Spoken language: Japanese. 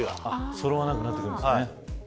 そろわなくなってくるんですね。